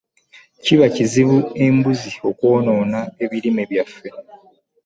Kiba kizibu embuzi okwonoona ebirime byaffe.